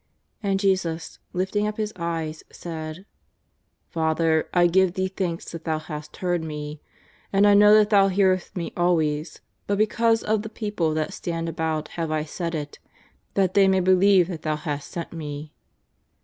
And Jesus, lifting up His eyes, said :^' Father, I give Thee thanks that Thou hast heard Me. And I know that Thou heareth 'Me always, but because of the people that stand about have I said it, that they may believe that Thou hast sent Me."